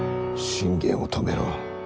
信玄を止めろ。